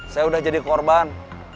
saya sudah jadi korban